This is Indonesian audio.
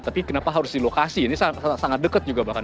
tapi kenapa harus di lokasi ini sangat dekat juga bahkan